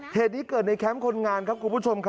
เหตุนี้เกิดในแคมป์คนงานครับคุณผู้ชมครับ